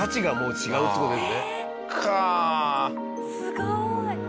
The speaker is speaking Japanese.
すごい。